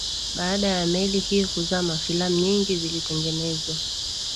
baada ya meli hiyo kuzama filamu nyingi zilitengenezwa